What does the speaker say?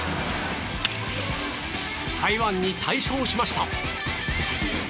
台湾に大勝しました。